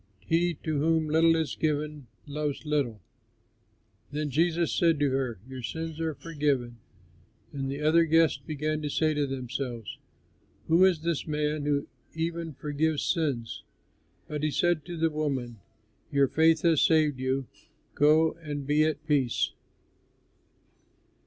He to whom little is forgiven, loves little." Then Jesus said to her, "Your sins are forgiven." And the other guests began to say to themselves, "Who is this man who even forgives sins?" But he said to the woman, "Your faith has saved you; go and be at peace."